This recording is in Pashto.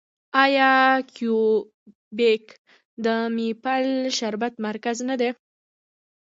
آیا کیوبیک د میپل شربت مرکز نه دی؟